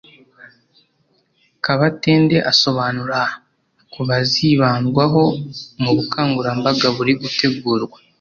Kabatende asobanura ku bazibandwaho mu bukangurambaga buri gutegurwa